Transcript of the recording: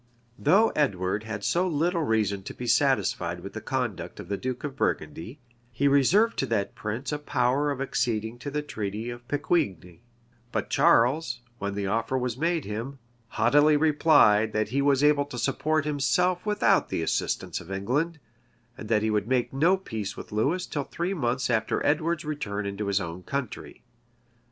Though Edward had so little reason to be satisfied with the conduct of the duke of Burgundy, he reserved to that prince a power of acceding to the treaty of Pecquigni: but Charles, when the offer was made him, haughtily replied, that he was able to support himself without the assistance of England, and that he would make no peace with Lewis till three months after Edward's return into his own country.